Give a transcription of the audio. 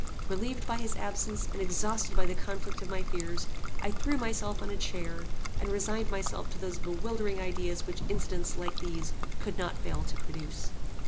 Relieved by his absence, and exhausted by the conflict of my fears, I threw myself on a chair, and resigned myself to those bewildering ideas which incidents like these could not fail to produce.